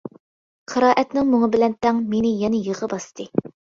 قىرائەتنىڭ مۇڭى بىلەن تەڭ مېنى يەنە يىغا باستى.